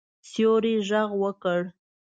سیوري غږ وکړ.